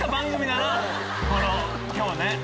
今日ね。